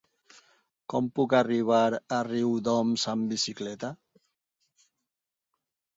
Com puc arribar a Riudoms amb bicicleta?